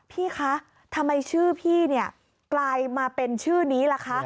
พี่คะทำไมชื่อพี่เนี่ยกลายมาเป็นชื่อนี้ล่ะคะ